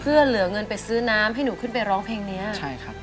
เพื่อเหลือเงินไปซื้อน้ำให้หนูขึ้นไปร้องเพลงเนี้ยใช่ครับ